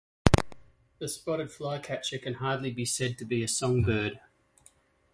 The spotted flycatcher can hardly be said to be a song-bird.